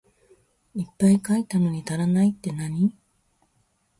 いっぱい書いたのに足らないってなに？